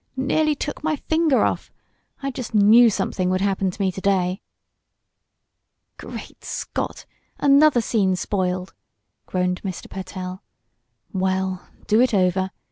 "Nearly took my finger off! I just knew something would happen to me to day!" "Great Scott! Another scene spoiled!" groaned Mr. Pertell. "Well, do it over.